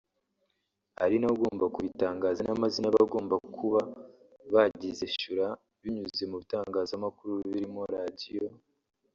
ari nawe ugomba kubitangaza n’amazina y’abagomba kuba bagize Shura binyuze mu bitangazamakuru birimo radio